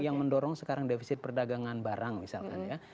yang mendorong sekarang defisit perdagangan barang misalkan ya